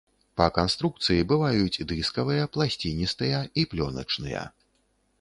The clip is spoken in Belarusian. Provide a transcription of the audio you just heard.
Па канструкцыі бываюць дыскавыя, пласціністыя і плёначныя.